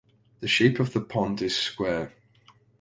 The shape of the pond is square.